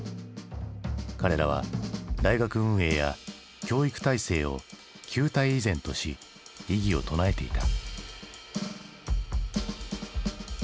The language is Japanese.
彼らは大学運営や教育体制を「旧態依然」とし異議を唱えていた。